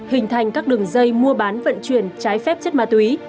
hình thành các đường dây mua bán vận chuyển trái phép chất ma túy